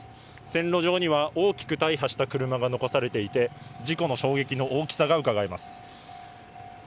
線路上には大きく大破した車が残されていて事故の衝撃の大きさがうかがえます。